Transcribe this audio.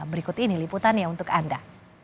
berikut ini liputannya untuk anda